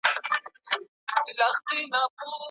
بد اخلاقي انسان له خلکو لرې کوي.